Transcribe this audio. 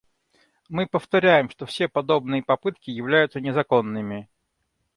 Мы повторяем, что все подобные попытки являются незаконными.